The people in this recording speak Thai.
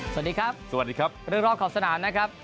สวัสดีครับสวัสดีครับเรื่องรอบขอบสนามนะครับ